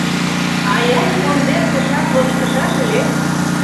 Ай-ай, конден, тышак лочкышаш ыле!